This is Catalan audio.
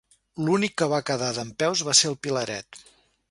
L'únic que va quedar dempeus va ser el pilaret.